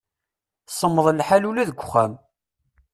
Semmeḍ lḥal ula deg uxxam.